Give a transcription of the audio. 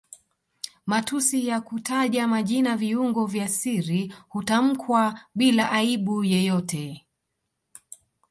Matusi ya kutaja majina viungo vya siri hutamkwa bila aibu yoyote